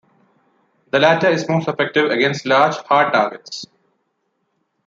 The latter is most effective against large, hard targets.